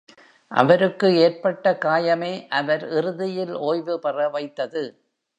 அவருக்கு ஏற்பட்ட காயமே அவர் இறுதியில் ஓய்வு பெற வைத்தது.